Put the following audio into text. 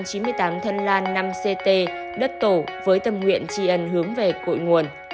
hai mươi tám thân lan năm ct đất tổ với tâm nguyện tri ân hướng về cội nguồn